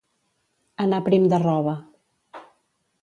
Anar prim de roba.